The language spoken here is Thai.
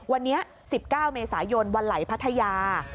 วันนี้๑๙เมษายนวันไหลพัทยา